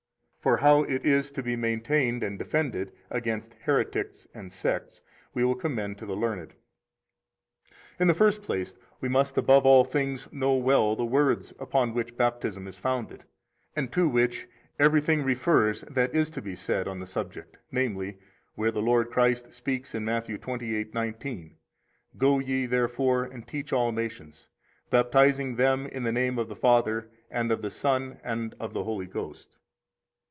For how it is to be maintained and defended against heretics and sects we will commend to the learned. 3 In the first place, we must above all things know well the words upon which Baptism is founded, and to which everything refers that is to be said on the subject, namely, where the Lord Christ speaks in Matthew 28:19: 4 Go ye therefore and teach all nations, baptizing them in the name of the Father, and of the Son, and of the Holy Ghost.